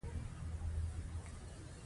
هغوی به په زهرجنو خوړو په اسانه ختمول کېدل.